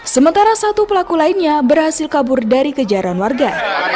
sementara satu pelaku lainnya berhasil kabur dari kejaran warga